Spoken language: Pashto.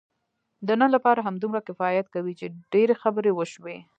د نن لپاره همدومره کفایت کوي، چې ډېرې خبرې وشوې.